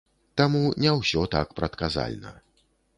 Таму не ўсё так прадказальна.